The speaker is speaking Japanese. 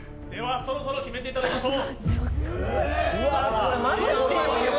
そろそろ決めていただきましょう。